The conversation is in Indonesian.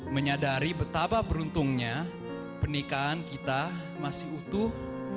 menyadari betapa beruntungnya pernikahan kita masih utuh